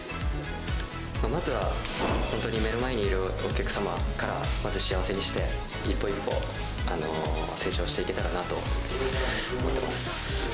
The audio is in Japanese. まずは本当に、目の前にいるお客様からまず幸せにして、一歩一歩成長していけたらなと思ってます。